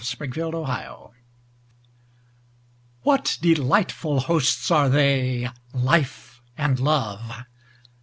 A PARTING GUEST WHAT delightful hosts are they Life and Love!